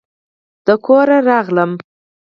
د کوره راغلم